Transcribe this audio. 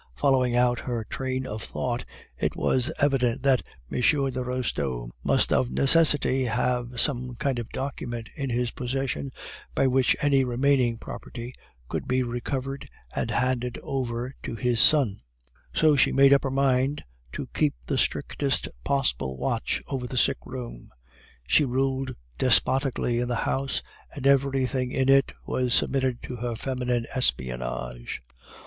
Following out her train of thought, it was evident that M. de Restaud must of necessity have some kind of document in his possession by which any remaining property could be recovered and handed over to his son. "So she made up her mind to keep the strictest possible watch over the sick room. She ruled despotically in the house, and everything in it was submitted to this feminine espionage.